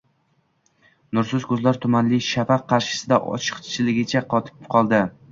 Nursiz ko`zlar tumanli shafaq qarshisida ochiqligicha qotib qoldi